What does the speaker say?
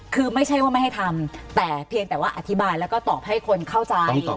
คือไม่ใช่ว่าไม่ให้ทำแต่เพียงแต่ว่าอธิบายแล้วก็ตอบให้คนเข้าใจ